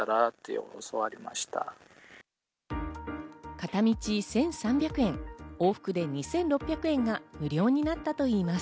片道１３００円、往復で２６００円が無料になったといいます。